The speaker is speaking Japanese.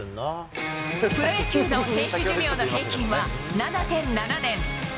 プロ野球の選手寿命の平均は７．７年。